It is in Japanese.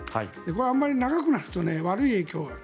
これはあまり長くなると悪い影響がある。